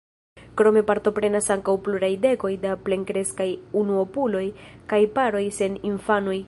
Krome partoprenas ankaŭ pluraj dekoj da plenkreskaj unuopuloj kaj paroj sen infanoj.